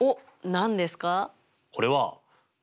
何ですか？